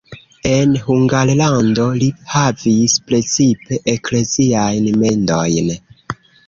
En Hungarlando li havis precipe ekleziajn mendojn.